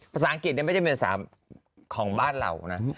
ภาษาอังกฤษนี่ไม่ใช่ภาษาของบ้านเรานะ